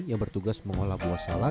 yang bertugas mengolah buah salak